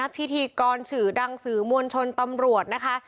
พิธีกรสื่อดังสื่อมวลชนตำรวจนะคะ